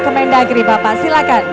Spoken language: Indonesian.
kemendagri bapak silakan